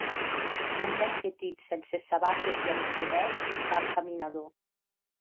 Un nen petit sense sabates i amb xumet va amb caminador.